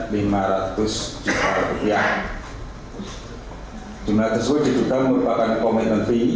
di mana tersebut diduga merupakan komitmen tinggi